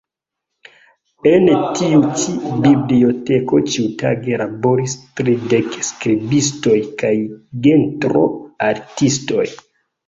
En tiu ĉi biblioteko ĉiutage laboris tridek skribistoj kaj gentro-artistoj.